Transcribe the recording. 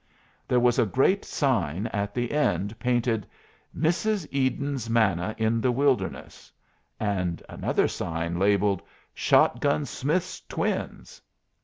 There was a great sign at the end, painted "Mrs. Eden's Manna in the Wilderness," and another sign, labelled "Shot gun Smith's twins."